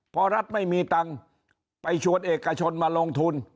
พอรัฐไม่มีตังค์ไปชวนเอกชนมาลงทุน